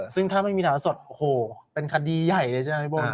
ซึ่งถ้าไม่มีฐานสดโอ้โหเป็นคดีใหญ่เลยใช่ไหมโบ